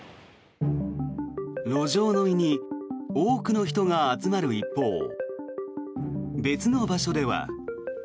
路上飲みに多くの人が集まる一方別の場所では。